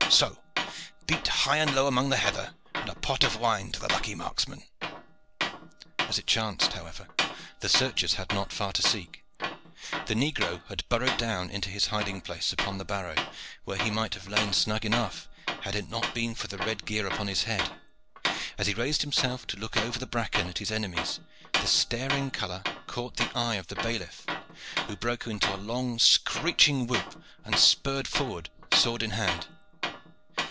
So! Beat high and low among the heather, and a pot of wine to the lucky marksman." As it chanced, however, the searchers had not far to seek. The negro had burrowed down into his hiding place upon the barrow, where he might have lain snug enough, had it not been for the red gear upon his head. As he raised himself to look over the bracken at his enemies, the staring color caught the eye of the bailiff, who broke into a long screeching whoop and spurred forward sword in hand.